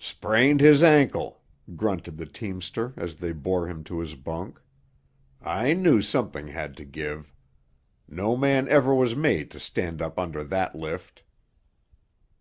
"Sprained his ankle," grunted the teamster, as they bore him to his bunk. "I knew something had to give. No man ever was made to stand up under that lift."